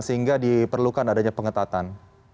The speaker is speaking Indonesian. sehingga diperlukan adanya pengetatan